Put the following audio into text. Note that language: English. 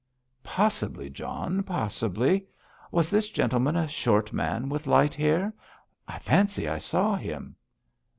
'Possibly, John, possibly. Was this gentleman a short man with light hair? I fancy I saw him.'